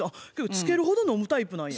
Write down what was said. ツケるほど飲むタイプなんや。